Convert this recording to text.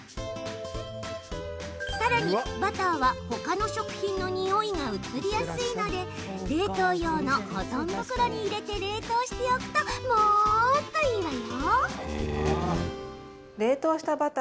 さらに、バターはほかの食品のにおいが移りやすいので冷凍用の保存袋に入れて冷凍しておくと、モーといいわよ。